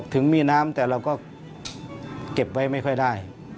ถึงมีน้ำแต่เราก็เก็บไว้ไม่ค่อยได้